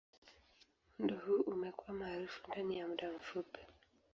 Muundo huu umekuwa maarufu ndani ya muda mfupi.